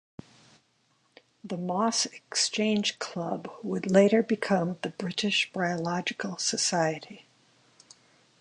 The Moss Exchange Club would later become the British Bryological Society.